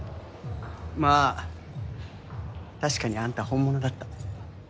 まあ確かにあんた本物だった。